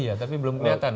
iya tapi belum kelihatan